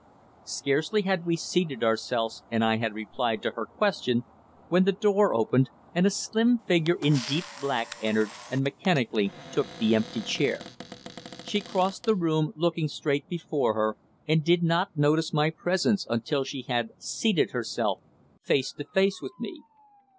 Scarcely had we seated ourselves and I had replied to her question when the door opened and a slim figure in deep black entered and mechanically took the empty chair. She crossed the room, looking straight before her, and did not notice my presence until she had seated herself face to face with me.